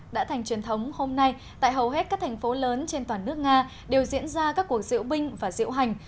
đã thành truyền thống hôm nay tại hầu hết các thành phố lớn trên toàn nước nga đều diễn ra các cuộc diễu binh và diễu hành